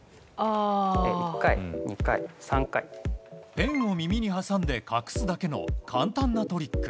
ペンを耳に挟んで隠すだけの簡単なトリック。